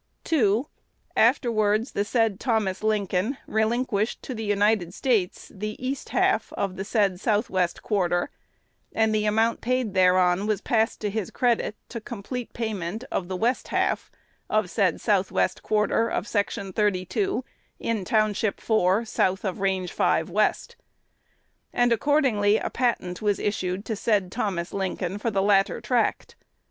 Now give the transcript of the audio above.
"2. Afterwards the said Thomas Lincoln relinquished to the United States the East half of said South West Quarter; and the amount paid thereon was passed to his credit to complete payment of the West half of said South West Quarter of Section 32, in Township 4, South of Range 5 West; and accordingly a patent was issued to said Thomas Lincoln for the latter tract.